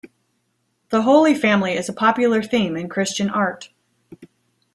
The Holy Family is a popular theme in Christian art.